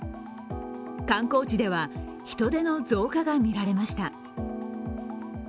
観光地では人出の増加が見られました。